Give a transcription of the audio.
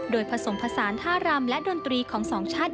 โดยผสมผสานท่ารำและดนตรีของสองชาติ